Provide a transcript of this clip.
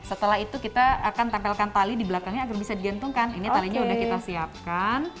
setelah itu kita akan tempelkan tali di belakangnya agar bisa digantungkan ini talinya sudah kita siapkan